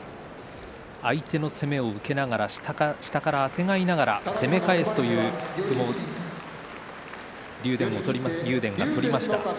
相手の攻めを受けながら下から下からあてがいながら攻め返すという相撲を竜電が取りました。